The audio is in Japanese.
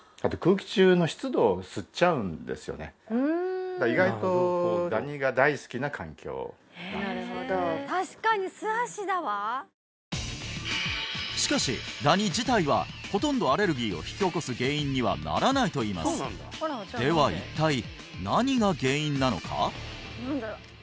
あと意外としかしダニ自体はほとんどアレルギーを引き起こす原因にはならないといいますでは一体何が原因なのか？